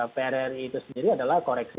prri itu sendiri adalah koreksi